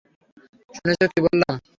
শুনেছ কি বললাম?